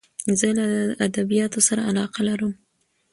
زه له ادبیاتو سره علاقه لرم.